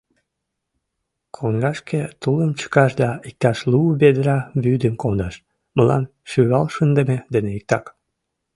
Коҥгашке тулым чыкаш да иктаж лу ведра вӱдым кондаш — мылам шӱвал шындыме дене иктак.